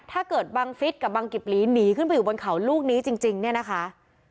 บังฟิศกับบังกิบหลีหนีขึ้นไปอยู่บนเขาลูกนี้จริงเนี่ยนะคะ